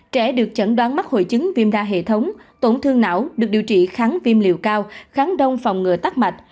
trẻ được chẩn đoán mắc hồi chứng viêm đa hệ thống tổn thương não được điều trị kháng viêm liều cao kháng đông phòng ngừa tắt mạch